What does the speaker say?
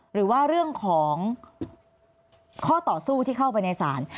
หรือว่าเรื่องของข้อต่อสู้ที่เข้าไปในศาล